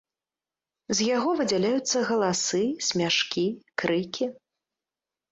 З яго выдзяляюцца галасы, смяшкі, крыкі.